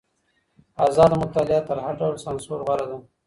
ازاده مطالعه تر هر ډول سانسور غوره ده.